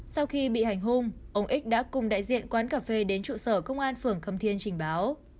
sau khi bị hành hung ông ích đã cùng đại diện quán cà phê đến trụ sở công an phường khâm thiên trình báo